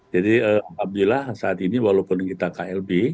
jadi apabila saat ini walaupun kita klb